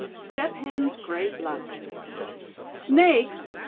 STEP HEN'S GREAT LUCK. "Snakes!